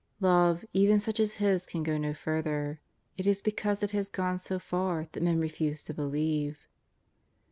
Love, even such as His, can go no further. It is because it has gone so far that men refuse to believe.